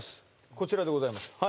こちらでございます